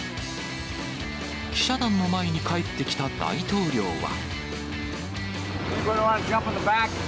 記者団の前に帰ってきた大統領は。